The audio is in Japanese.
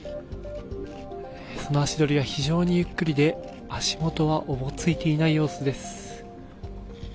その足取りは非常にゆっくりで足元はおぼついていない様子です。